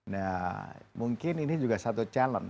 nah mungkin ini juga satu challenge